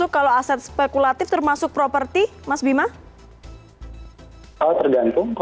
ini ada untuk automata sir prince yang palingumca